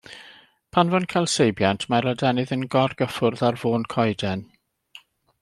Pan fo'n cael seibiant mae'r adenydd yn gorgyffwrdd ar fôn coeden.